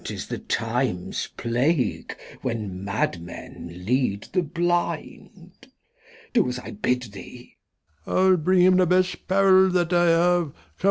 'Tis the Time's Plague when Mad Men lead the Blind. Do as I bid thee. Old M. I'U bring him the best 'Parrel that I have.